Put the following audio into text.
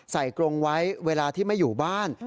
กรงไว้เวลาที่ไม่อยู่บ้าน